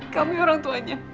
kami orang tuanya